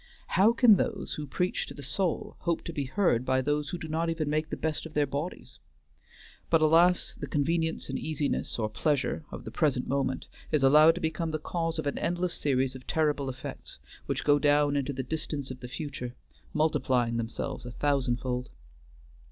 How can those who preach to the soul hope to be heard by those who do not even make the best of their bodies? but alas, the convenience and easiness, or pleasure, of the present moment is allowed to become the cause of an endless series of terrible effects, which go down into the distance of the future, multiplying themselves a thousandfold.